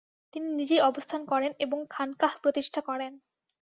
তিনি নিজেই অবস্থান করেন এবং খানকাহ প্রতিষ্ঠা করেন।